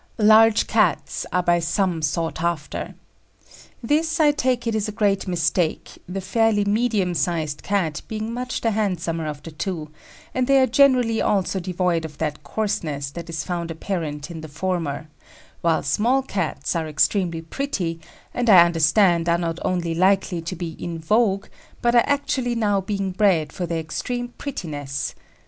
Large Cats are by some sought after. This, I take it, is a great mistake, the fairly medium sized Cat being much the handsomer of the two, and they are generally also devoid of that coarseness that is found apparent in the former; while small Cats are extremely pretty, and I understand are not only likely to be "in vogue," but are actually now being bred for their extreme prettiness.